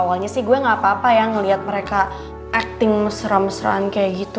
awalnya sih gue gak apa apa ya ngeliat mereka acting seram seraan kayak gitu